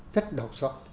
rất đau xót